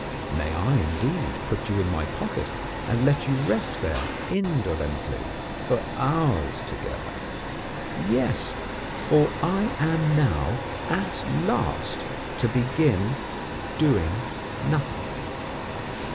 May I, indeed, put you in my pocket and let you rest there, indolently, for hours together? Yes! for I am now, at last, to begin doing Nothing.